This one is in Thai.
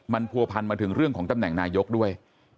มันผัวพันมาถึงเรื่องของตำแหน่งนายกด้วย